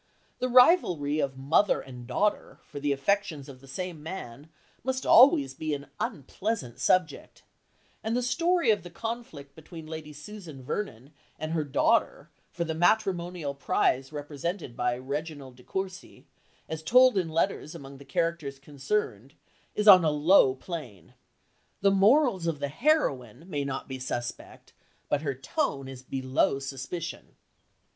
The rivalry of mother and daughter for the affections of the same man must always be an unpleasant subject, and the story of the conflict between Lady Susan Vernon and her daughter for the matrimonial prize represented by Reginald de Courcy, as told in letters among the characters concerned, is on a low plane. The morals of the "heroine" may not be suspect, but her tone is below suspicion.